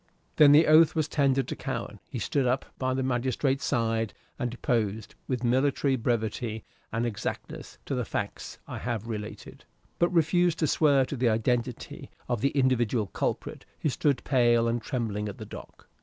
Then the oath was tendered to Cowen: he stood up by the magistrate's side and deposed, with military brevity and exactness, to the facts I have related, but refused to swear to the identity of the individual culprit who stood pale and trembling at the dock.